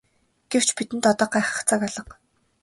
Гэвч бидэнд одоо гайхах цаг алга.